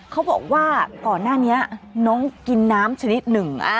เขาบอกว่าก่อนหน้านี้น้องกินน้ำชนิดหนึ่ง